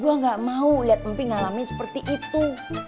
gua gak mau liat empi ngalamin seperti itu